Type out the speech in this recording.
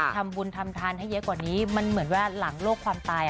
ทำบุญทำทานให้เยอะกว่านี้มันเหมือนว่าหลังโลกความตาย